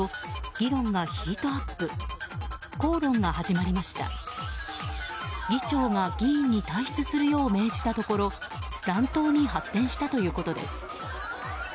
議長が議員に退出するよう命じたところ乱闘に発展したということです。